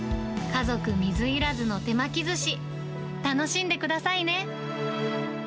家族水入らずの手巻きずし、楽しんでくださいね。